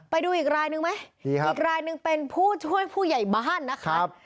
ไปดูอีกรายนึงไหมอีกรายหนึ่งเป็นผู้ช่วยผู้ใหญ่บ้านนะครับ